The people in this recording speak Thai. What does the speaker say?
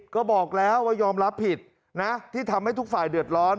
ก็บอกแล้วว่ายอมรับผิดนะที่ทำให้ทุกฝ่ายเดือดร้อน